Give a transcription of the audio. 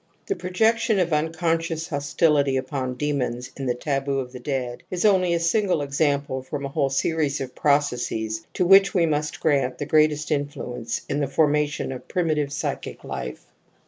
The projection of unconscious hostility upon demons in the taboo of the dead is only a single example from a whole series of processes to which we must grant the greatest influence in the form ation of primitive psychic life.